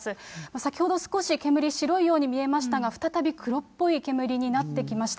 先ほど少し、煙、白いように見えましたが、再び黒っぽい煙になってきました。